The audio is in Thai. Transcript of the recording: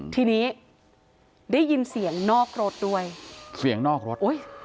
ทีนี้ได้ยินเสียงนอกรถด้วยเสียงนอกรถอุ้ย